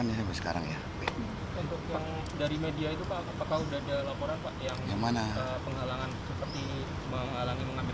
untuk yang dari media itu pak apakah sudah ada laporan pak yang penghalangan seperti menghalangi mengambil